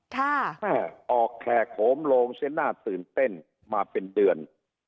ถ้าออกแข่โขมโลงเซ็นต์น่าตื่นเต้นมาเป็นเดือน